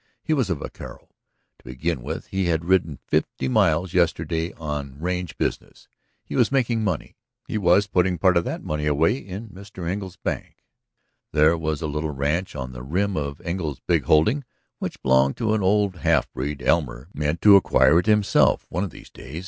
He was a vaquero, to begin with; he had ridden fifty miles yesterday on range business; he was making money; he was putting part of that money away in Mr. Engle's bank. There was a little ranch on the rim of Engle's big holding which belonged to an old half breed; Elmer meant to acquire it himself one of these days.